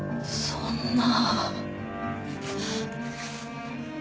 そんな。